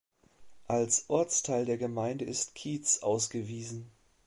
Als Ortsteil der Gemeinde ist Kietz ausgewiesen.